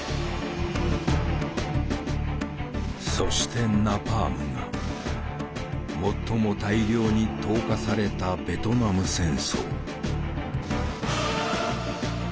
そしてナパームが最も大量に投下されたベトナム戦争。